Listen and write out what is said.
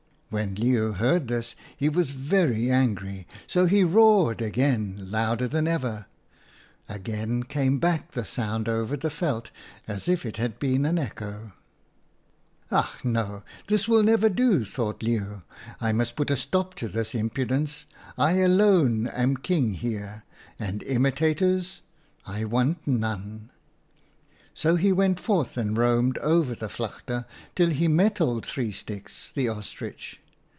" When Leeuw heard this he was very angry, so he roared again, louder than ever. Again came back the sound over the veld, as if it had been an echo. / 30 OUTA KAREL'S STORIES M ' Ach, no! this will never do,' thought Leeuw. ' I must put a stop to this im pudence. I alone am King here, and imitators — I want none/ " So he went forth and roamed over the vlakte till he met old Three Sticks, the Ostrich.